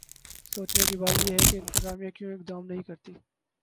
سوچنے کی بات ہے کہ انتظامیہ کیوں اقدام نہیں کرتی؟